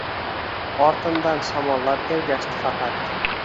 Ortimdan shamollar ergashdi faqat.